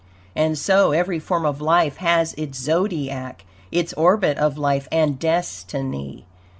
And so, every form of life has its Zodiac, its orbit of life and destiny.